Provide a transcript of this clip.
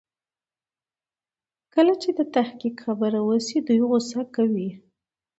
کله چې د تحقيق خبره وشي دوی غوسه کوي.